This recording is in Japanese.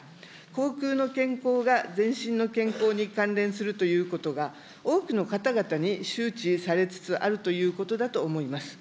口腔の健康が全身の健康に関連するということが、多くの方々に周知されつつあるということだと思います。